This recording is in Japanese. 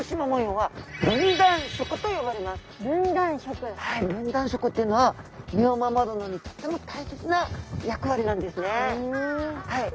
はい分断色っていうのは身を守るのにとっても大切な役割なんですね。